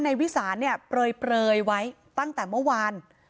วิสานเนี่ยเปลยไว้ตั้งแต่เมื่อวาน